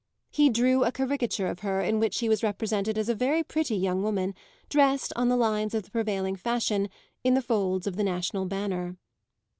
He drew a caricature of her in which she was represented as a very pretty young woman dressed, on the lines of the prevailing fashion, in the folds of the national banner.